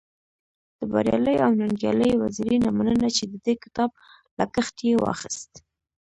د بريالي او ننګيالي وزيري نه مننه چی د دې کتاب لګښت يې واخست.